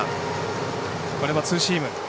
これもツーシーム。